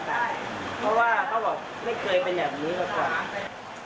เพราะว่าเขาบอกไม่เคยเป็นแบบนี้กับกว่า